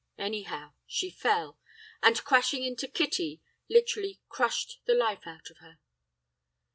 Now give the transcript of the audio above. Anyhow, she fell, and crashing into Kitty, literally crushed the life out of her.